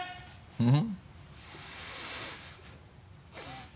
うん？